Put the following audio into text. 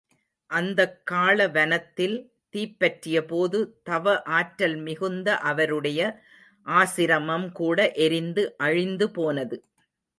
அந்தக் காள வனத்தில் தீப்பற்றியபோது தவ ஆற்றல் மிகுந்த அவருடைய ஆசிரமம் கூட எரிந்து அழிந்துபோனது.